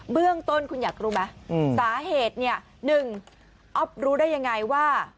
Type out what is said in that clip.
เบื้องต้นคุณอยากรู้ไหมสาเหตุเนี่ย๑อ๊อฟรู้ได้ยังไงว่า